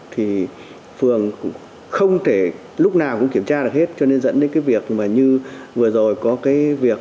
thì phường không thể lúc nào cũng kiểm tra được hết cho nên dẫn đến cái việc mà như vừa rồi có cái việc